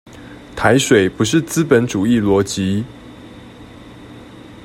台水不是資本主義邏輯